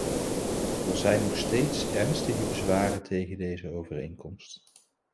Er zijn nog steeds ernstige bezwaren tegen deze overeenkomst.